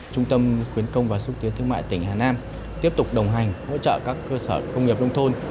trung tâm khuyến công và xúc tiến thương mại tỉnh hà nam tiếp tục đồng hành hỗ trợ các cơ sở công nghiệp nông thôn